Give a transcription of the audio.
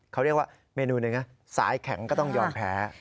เขาเรียกว่าเมนูหนึ่งนะสายแข็งก็ต้องยอมแพ้